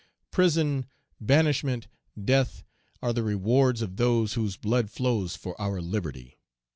Prison, banishment, death, are the rewards of those whose blood flows for our liberty.